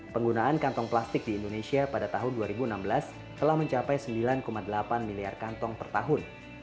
penggunaan kantong plastik di indonesia pada tahun dua ribu enam belas telah mencapai sembilan delapan miliar kantong per tahun